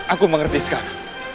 aku mengerti sekarang